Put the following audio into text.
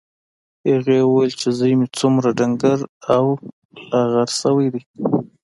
هغې وویل چې زوی مې څومره ډنګر او لاغر شوی دی